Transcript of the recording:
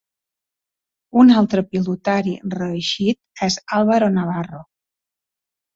Un altre pilotari reeixit és Álvaro Navarro.